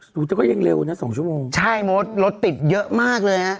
ดูก็ยังเร็วนะ๒ชั่วโมง